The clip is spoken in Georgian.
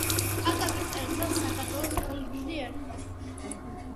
აკაკი წერეთელს საქართველოს ბულბული ერქვა.